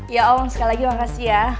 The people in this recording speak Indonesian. ya om sekali lagi makasih ya